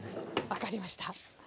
分かりました。